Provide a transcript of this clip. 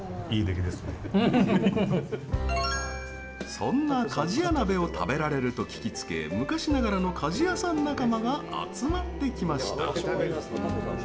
そんな鍛冶屋鍋を食べられると聞きつけ昔ながらの鍛冶屋さん仲間が集まってきました。